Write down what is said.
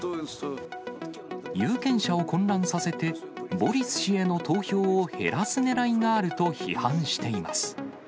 有権者を混乱させて、ボリス氏への投票を減らすねらいがあると批判しています。